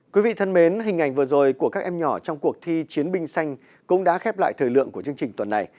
quý vị thân mến hình ảnh vừa rồi của các em nhỏ trong cuộc thi chiến binh xanh cũng đã khép lại thời lượng của chương trình tuần này